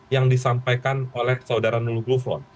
yang disampaikan oleh saudara nurul gufron